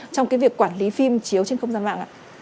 trong cái việc quản lý phim chiếu trên không gian mạng